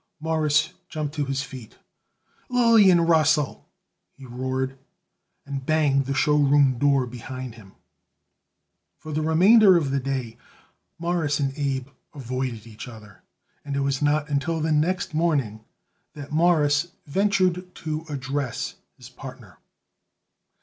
Morris jumped to his feet. "Lillian Russell!" he roared, and banged the show room door behind him. For the remainder of the day Morris and Abe avoided each other, and it was not until the next morning that Morris ventured to address his partner.